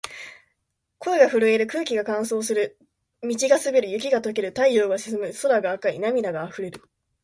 声が震える。空気が乾燥する。道が滑る。雪が解ける。太陽が沈む。空が赤い。涙が溢れる。